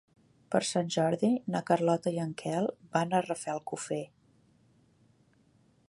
Per Sant Jordi na Carlota i en Quel van a Rafelcofer.